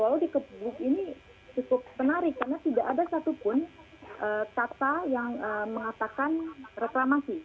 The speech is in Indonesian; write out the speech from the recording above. walau dikepuk ini cukup menarik karena tidak ada satupun kata yang mengatakan reklamasi